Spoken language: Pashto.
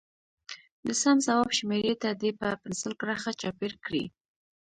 د سم ځواب شمیرې ته دې په پنسل کرښه چاپېر کړي.